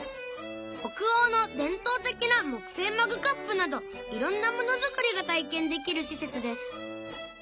北欧の伝統的な木製マグカップなど色んなもの作りが体験できる施設です